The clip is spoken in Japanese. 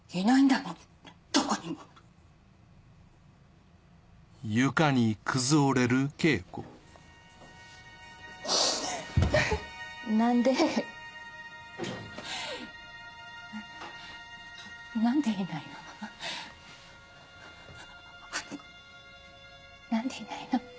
なんでいないの？